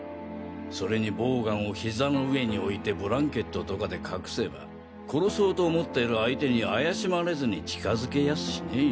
それにボウガンをヒザの上に置いてブランケットとかで隠せば殺そうと思ってる相手に怪しまれずに近づけやすしねぇ。